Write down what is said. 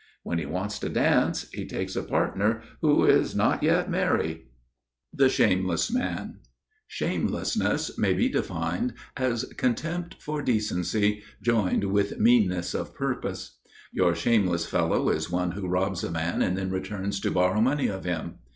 When he wants to dance he takes a partner who is not yet merry. VI The Shameless Man (Ἀναισχυντία) Shamelessness may be defined as contempt for decency, joined with meanness of purpose. Your shameless fellow is one who robs a man and then returns to borrow money of him.